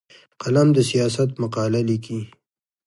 قلم د سیاست مقاله لیکي